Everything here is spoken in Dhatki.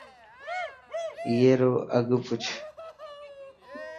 اي رو اگھه پوڇ.